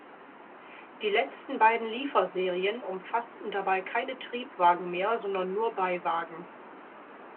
Die letzten beiden Lieferserien umfassten dabei keine Triebwagen mehr, sondern nur Beiwagen.